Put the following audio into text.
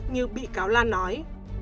như bị cáo lan nói